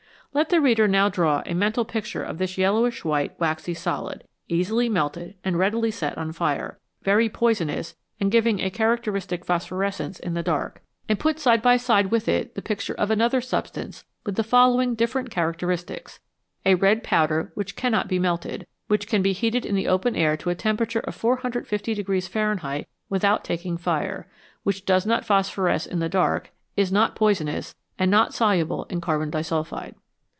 Let the reader now draw a mental picture of this yellowish white, waxy solid, easily melted and readily set on fire, very poisonous and giving a characteristic phosphorescence in the dark, and put side by side with 51 ELEMENTS WITH DOUBLE IDENTITY it the picture of another substance with the following different characteristics : a red powder which cannot be melted, which can be heated in the open air to a temperature of 450 Fahrenheit without taking fire, which does not phosphoresce in the dark, is not poisonous, and not soluble in carbon disulphide.